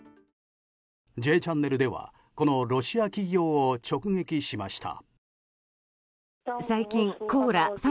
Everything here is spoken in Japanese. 「Ｊチャンネル」ではこのロシア企業を直撃しました。